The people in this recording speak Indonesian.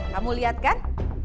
kamu lihat kan